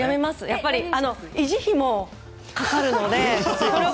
やっぱり維持費もかかるので。